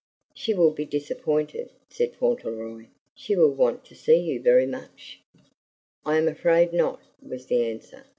"She will be disappointed," said Fauntleroy. "She will want to see you very much." "I am afraid not," was the answer.